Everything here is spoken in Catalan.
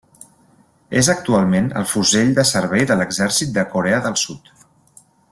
És actualment el fusell de servei de l’exèrcit de Corea del Sud.